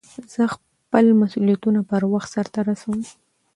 زه خپل مسئولیتونه پر وخت سرته رسوم.